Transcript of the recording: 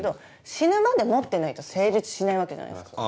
死ぬまで持ってないと成立しないわけじゃないですか。